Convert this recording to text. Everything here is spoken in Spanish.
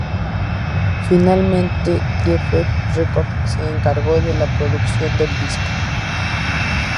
Finalmente Geffen Records se encargó de la producción del disco.